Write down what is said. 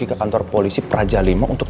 aku harus bagaimana